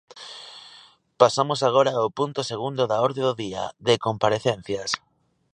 Pasamos agora ao punto segundo da orde do día, de comparecencias.